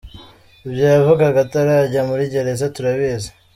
Ibyo yavugaga atarajya muri gereza turabizi.